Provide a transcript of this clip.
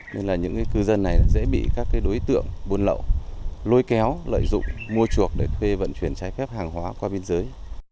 nên là những cư dân này dễ bị các đối tượng buôn lậu lôi kéo lợi dụng mua chuộc để thuê vận chuyển trái phép hàng hóa qua biên giới